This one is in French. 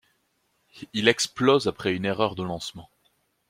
Il explose après une erreur de lancement.